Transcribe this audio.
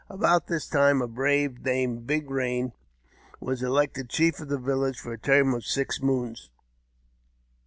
About this time a brave, named Big Eain, was elected chief of the village for the term of six moons.